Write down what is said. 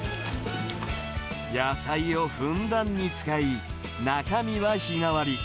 野菜をふんだんに使い、中身は日替わり。